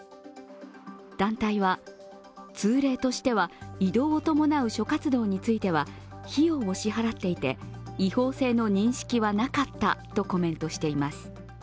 団体は、通例としては、移動を伴う諸活動については費用を支払っていて違法性の認識はなかったとコメントしています。